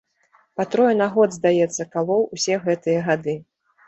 Па трое на год, здаецца, калоў, усе гэтыя гады.